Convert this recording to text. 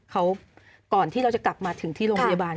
เขาก่อนที่เราจะกลับมาถึงที่โรงพยาบาล